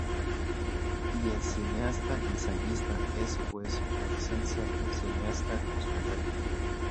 Y el cineasta ensayista es pues por esencia un cineasta posmoderno.